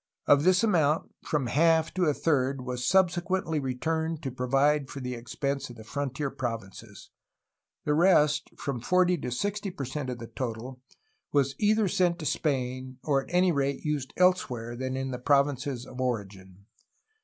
Of this amount from half to a third was subse quently returned to provide for the expense of the frontier provinces. The rest, from 40 to 60 per cent of the total, was either sent to Spain or at any rate used elsewhere than in the provinces of origin.